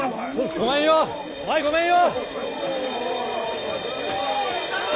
ごめんよ前ごめんよ。